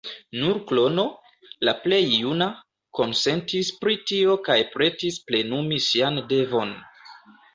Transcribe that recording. Nur Krono, la plej juna, konsentis pri tio kaj pretis plenumi sian devon.